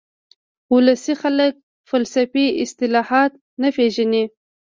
ولسي خلک فلسفي اصطلاحات نه پېژني